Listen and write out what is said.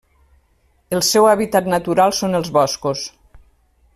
El seu hàbitat natural són els boscos.